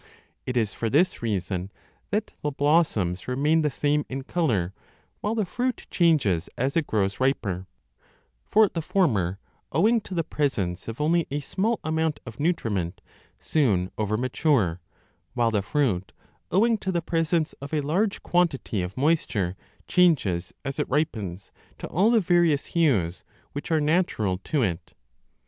It is for this reason that the blossoms remain the same in colour, while the fruit changes as it grows riper ; for the former, owing to the presence of 797 a only a small amount of nutriment, soon over mature, while the fruit, owing to the presence of a large quantity of mois ture, changes as it ripens to all the various hues which are natural to it.